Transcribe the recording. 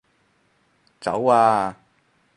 走啊